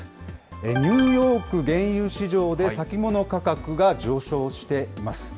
ニューヨーク原油市場で先物価格が上昇しています。